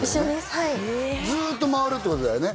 はいずっと回るってことだよね